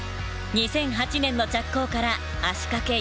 ２００８年の着工から足かけ４年。